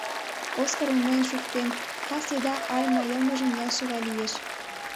Оскар умылен шуктен, кас еда Альма йылмыжым нелше гай лиеш.